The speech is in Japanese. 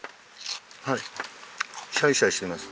はいシャリシャリしてます。